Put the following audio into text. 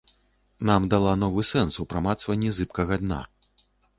Нам дала новы сэнс у прамацванні зыбкага дна.